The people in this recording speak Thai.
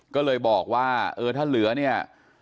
ก็เลยบอกว่าเออถ้าเหลือเนี่ย